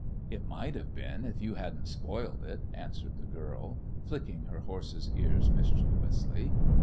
"It might have been if you hadn't spoiled it," answered the girl, flicking her horse's ears mischievously.